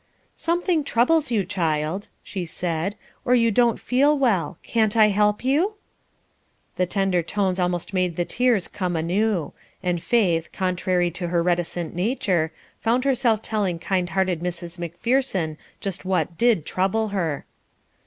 "Something troubles you, child," she said, "or you don't feel well. Can't I help you?" The tender tones almost made the tears come anew; and Faith, contrary to her reticent nature, found herself telling kind hearted Mrs. Macpherson just what did trouble her.